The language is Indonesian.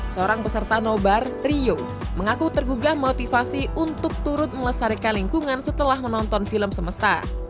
seorang peserta nobar rio mengaku tergugah motivasi untuk turut melestarikan lingkungan setelah menonton film semesta